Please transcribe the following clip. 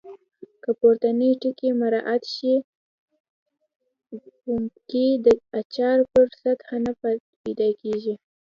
که پورتني ټکي مراعات شي پوپنکې د اچار پر سطحه نه پیدا کېږي.